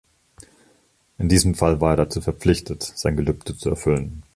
In diesem Fall war er dazu verpflichtet, sein Gelübde zu erfüllen.